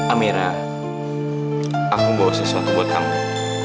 amira aku membawa sesuatu buat kamu